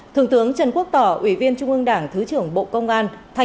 thượng tướng trần quốc tỏ ủy viên trung ương đảng thứ trưởng bộ công an